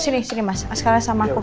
disini mas askaranya sama aku